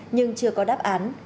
nhưng chưa có đáp án